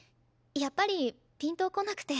やっぱりピンとこなくて。